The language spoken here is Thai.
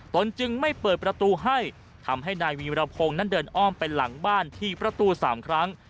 ตนจึงไม่เปิดประตูให้ทำให้นายวีรพงศ์นั้นเดินอ้อมไปหลังบ้านที่ประตู๓ครั้ง